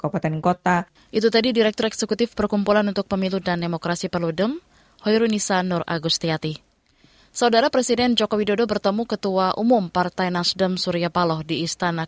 pertama kali kita berkahwin